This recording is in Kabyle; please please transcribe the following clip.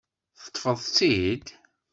Teṭṭfeḍ-t-id?